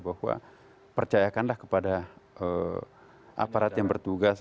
bahwa percayakanlah kepada aparat yang bertugas